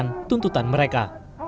dan mereka akan menjaga kemampuan mereka